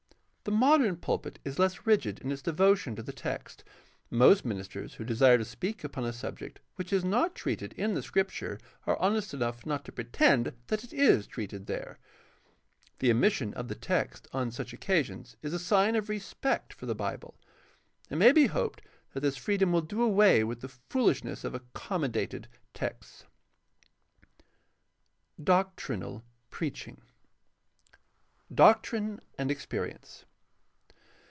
The modem pulpit is less rigid in its devotion to the text. Most ministers who desire to speak upon a subject which is not treated in the Scripture are honest enough not to 586 GUIDE TO STUDY OF CHRISTIAN RELIGION pretend that it is treated there. The omission of the text on such occasions is a sign of respect for the Bible. It may be hoped that this freedom will do away with the foolishness of accommodated texts. 4. DOCTRINAL PREACHING Doctrine and experience.